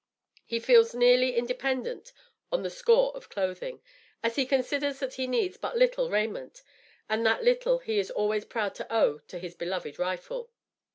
He feels nearly independent on the score of clothing, as he considers that he needs but little raiment, and that little he is always proud to owe to his beloved rifle.